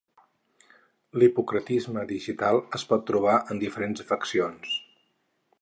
L'hipocratisme digital es pot trobar en diferents afeccions.